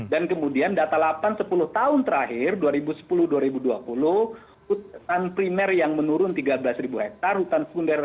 dan kemudian data lapan sepuluh tahun terakhir dua ribu sepuluh dua ribu dua puluh hutan primer yang menurun tiga belas hektare hutan funder satu ratus enam belas